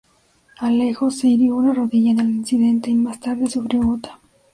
Alejo se hirió una rodilla en el incidente, y más tarde sufrió gota.